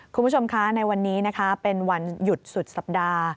คุณผู้ชมคะในวันนี้นะคะเป็นวันหยุดสุดสัปดาห์